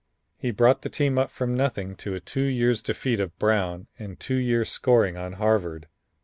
He brought the team up from nothing to a two years' defeat of Brown and two years' scoring on Harvard.